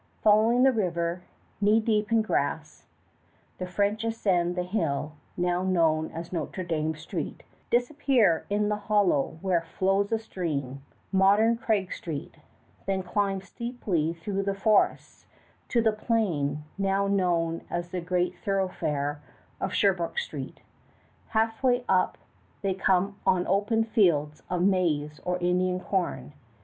Following the river, knee deep in grass, the French ascend the hill now known as Notre Dame Street, disappear in the hollow where flows a stream, modern Craig Street, then climb steeply through the forests to the plain now known as the great thoroughfare of Sherbrooke Street. Halfway up they come on open fields of maize or Indian corn.